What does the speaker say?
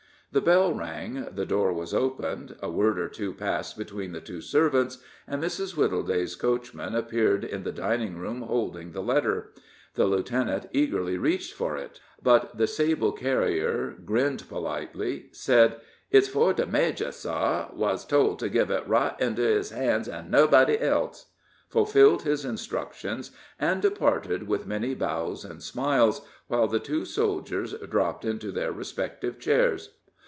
The bell rang, the door was opened, a word or two passed between the two servants, and Mrs. Wittleday's coachman appeared in the dining room, holding the letter. The lieutenant eagerly reached for it, but the sable carrier grinned politely, said: "It's for de major, sar wuz told to give it right into his han's, and nobody else," fulfilled his instructions, and departed with many bows and smiles, while the two soldiers dropped into their respective chairs.